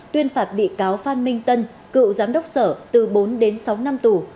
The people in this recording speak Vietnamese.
tuyên phạt bị cáo phan minh tân cựu giám đốc sở từ bốn đến sáu năm tù